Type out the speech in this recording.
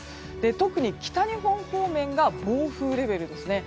特に北日本方面が暴風レベルですね。